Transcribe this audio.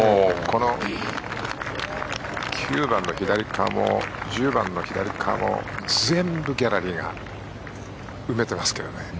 ９番の左側も１０番の左側も全部ギャラリーが埋めてますけどね。